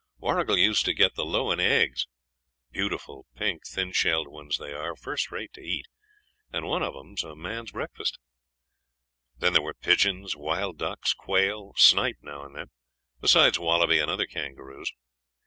Warrigal used to get the lowan eggs beautiful pink thin shelled ones they are, first rate to eat, and one of 'em a man's breakfast. Then there were pigeons, wild ducks, quail, snipe now and then, besides wallaby and other kangaroos.